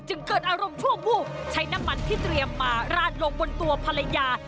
เกิดอารมณ์ชั่ววูบใช้น้ำมันที่เตรียมมาราดลงบนตัวภรรยา